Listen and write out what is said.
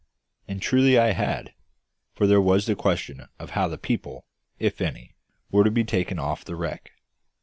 And truly I had; for there was the question of how the people, if any, were to be taken off the wreck.